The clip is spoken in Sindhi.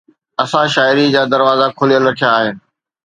اسان شاعري جا دروازا کليل رکيا آهن